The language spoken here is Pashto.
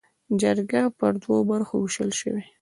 جرګه پر دوو برخو ووېشل شوه.